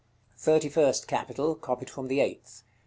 THIRTY FIRST CAPITAL. Copied from the eighth.